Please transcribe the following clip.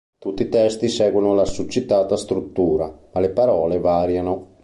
Tutti i testi seguono la succitata struttura ma le parole variano.